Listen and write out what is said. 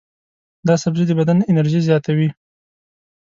دا سبزی د بدن انرژي زیاتوي.